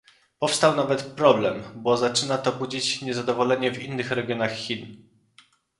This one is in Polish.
Powstał nawet problem, bo zaczyna to budzić niezadowolenie w innych regionach Chin